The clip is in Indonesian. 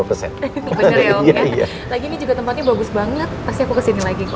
lagi ini juga tempatnya bagus banget pasti aku kesini lagi kok